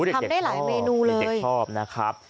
ทำได้หลายเมนูเลยเด็กชอบนะครับ